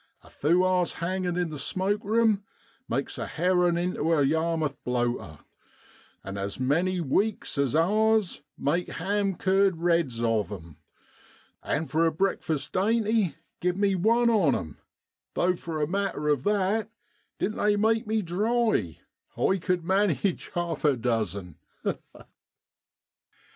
A few hours hangin' in the smoke rume makes a herrin' intu a Yarmith blowter ; an' as many weeks as hours make ham cured reds of 'em. And for a breakfast dainty give me one on 'em, though for a matter of that, didn't they make me dry, I cud manage half a dozen.